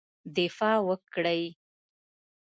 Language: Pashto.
دفاع وکړی.